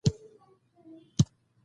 کلونو وغواړي.